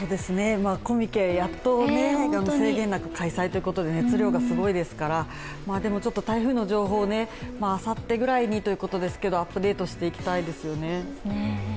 コミケ、やっと制限なく開催ということで熱量がすごいですから、でも、台風の情報、あさってぐらいにということですが、アップデートしていきたいですよね。